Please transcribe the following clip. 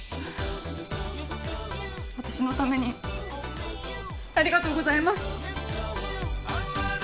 私のためにありがとうございます。